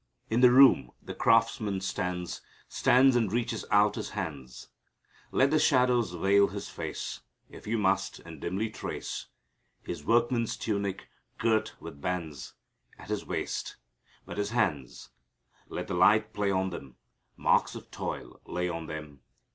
"In the room the Craftsman stands, Stands and reaches out His hands. "Let the shadows veil His face If you must, and dimly trace His workman's tunic, girt with bands At His waist. But His hands Let the light play on them; Marks of toil lay on them.